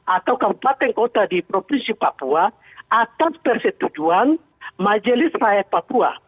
atau kabupaten kota di provinsi papua atas persetujuan majelis rakyat papua